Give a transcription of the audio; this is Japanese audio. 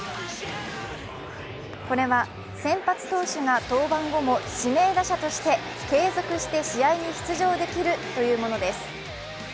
これは先発投手が登板後も、指名打者として継続して試合に出場できるというものです。